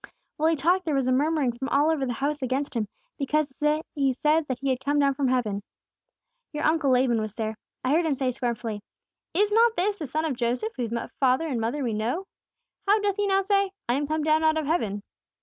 "While He talked there was a murmuring all over the house against Him, because He said that He had come down from heaven. Your uncle Laban was there. I heard him say scornfully: 'Is not this the son of Joseph, whose father and mother we know? How doth He now say, "I am come down out of heaven"?'